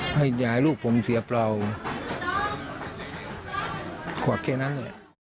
ให้ยายลูกผมเสียเปล่าขวาแค่นั้นเลย